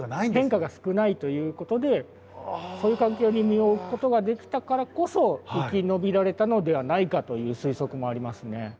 変化が少ないということでそういう環境に身を置くことができたからこそ生き延びられたのではないかという推測もありますね。